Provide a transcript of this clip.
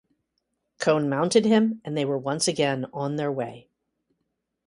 Cone mounted him and they were once again on their way.